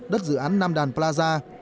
đất dự án nam đàn plaza